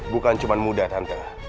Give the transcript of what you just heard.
bukan cuma muda tante